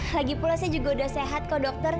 lagi pula saya juga udah sehat kok dokter